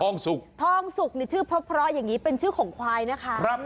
ทองสุกทองสุกนี่ชื่อเพราะอย่างนี้เป็นชื่อของควายนะคะ